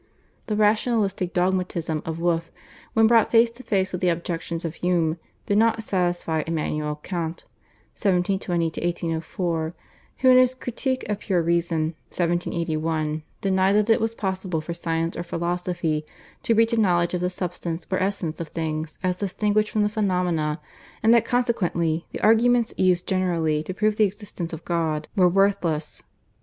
The rationalistic dogmatism of Wolf when brought face to face with the objections of Hume did not satisfy Immanuel Kant (1720 1804), who in his /Critique of Pure Reason/ (1781) denied that it was possible for science or philosophy to reach a knowledge of the substance or essence of things as distinguished from the phenomena, and that consequently the arguments used generally to prove the existence of God were worthless.